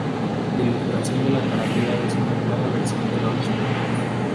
La ilustración de la carátula es una clara versión de la original.